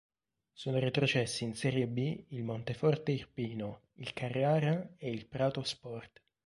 Sono retrocessi in Serie B il Monteforte Irpino, il Carrara e il Prato Sport.